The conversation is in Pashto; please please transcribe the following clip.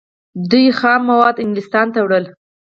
دوی خام مواد انګلستان ته وړل.